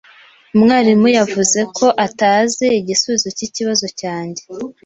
Umwarimu yavuze ko atazi igisubizo cyikibazo cyanjye.